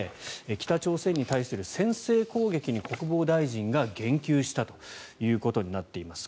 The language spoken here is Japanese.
北朝鮮に対する先制攻撃に国防大臣が言及したということになっています。